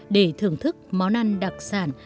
để thưởng thức món ăn đặc sản